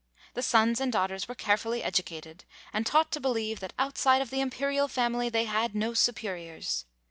The sons and daughters were carefully educated, and taught to believe that outside of the imperial family they had no superiors.